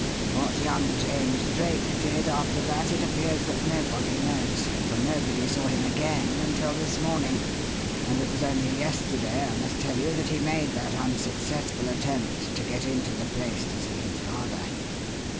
What young James Drake did after that it appears that nobody knows, for nobody saw him again until this morning; and it was only yesterday, I must tell you, that he made that unsuccessful attempt to get into the place to see his father.